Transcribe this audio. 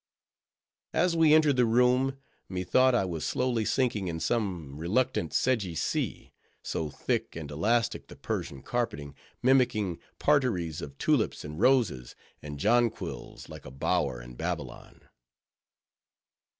As we entered the room, methought I was slowly sinking in some reluctant, sedgy sea; so thick and elastic the Persian carpeting, mimicking parterres of tulips, and roses, and jonquils, like a bower in Babylon.